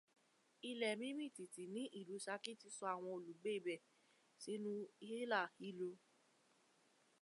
Ilẹ̀ mímìtìtì ní ìlú ṣakí ti sọ àwọn olugbé ibẹ̀ sínú hílàhílo